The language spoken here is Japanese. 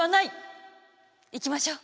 行きましょう！